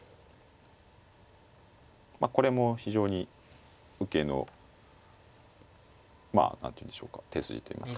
まあこれも非常に受けのまあ何ていうんでしょうか手筋といいますかね。